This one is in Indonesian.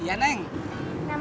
tantennya yang banyak ya